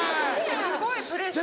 すごいプレッシャー。